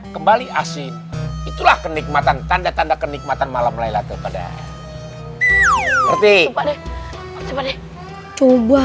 kembali asin itulah kenikmatan tanda tanda kenikmatan malam laylatul pada berarti coba